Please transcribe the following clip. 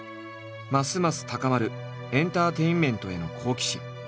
ますます高まるエンターテインメントへの好奇心。